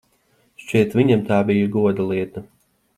Šķiet, viņam tā bija goda lieta.